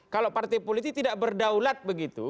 kalau partai politik tidak berdaulat begitu